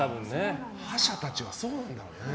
覇者たちは、そうなんだろうね。